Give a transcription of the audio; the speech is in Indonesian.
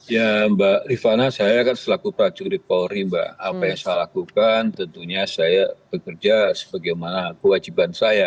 ya mbak rifana saya kan selaku prajurit polri mbak apa yang saya lakukan tentunya saya bekerja sebagaimana kewajiban saya